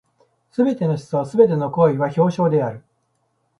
凡すべての思想凡ての行為は表象である。